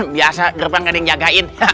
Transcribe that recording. biasa gerbang ada yang jagain